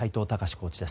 コーチです。